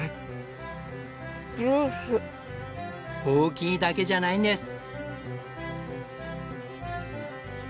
大きいだけじゃないんです。